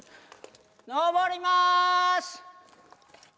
登りまーす！